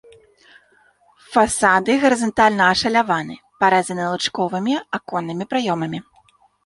Фасады гарызантальна ашаляваны, прарэзаны лучковымі аконнымі праёмамі.